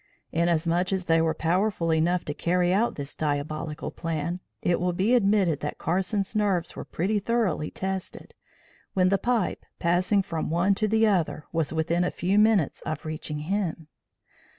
Inasmuch as they were powerful enough to carry out this diabolical plan, it will be admitted that Carson's nerves were pretty thoroughly tested, when the pipe passing from one to the other was within a few minutes of reaching him.